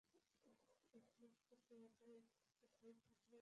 সমাপ্তপ্রায় অট্টালিকাকে সমাপ্ত করা অতি সহজ কাজ।